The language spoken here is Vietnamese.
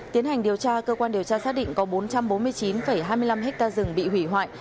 tiến hành điều tra cơ quan điều tra xác định có bốn trăm bốn mươi chín hai mươi năm hectare rừng bị hủy hoại